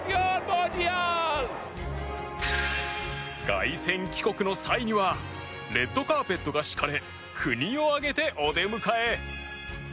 凱旋帰国の際にはレッドカーペットが敷かれ国を挙げてお出迎え。